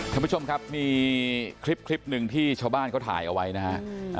ท่านผู้ชมครับมีคลิปหนึ่งที่ชาวบ้านเขาถ่ายเอาไว้นะฮะ